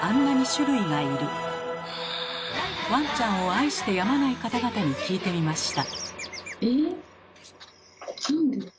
ワンちゃんを愛してやまない方々に聞いてみました。